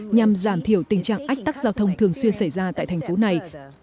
nhằm giảm thiểu tình trạng ách tắc giao thông thường xuyên xảy ra tại thành phố này